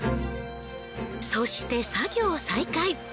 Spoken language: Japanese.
そして作業再開。